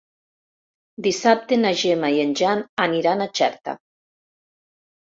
Dissabte na Gemma i en Jan aniran a Xerta.